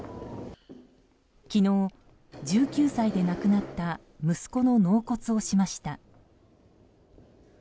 昨日、１９歳で亡くなった息子の納骨をしました。